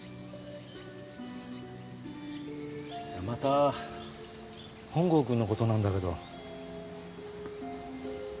また本郷くんのことなんだけど。